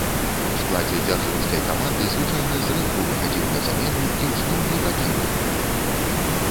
У складзе дзяржынскай каманды звычайна зрэдку выхадзіў на замену, і ў жніўні пакінуў клуб.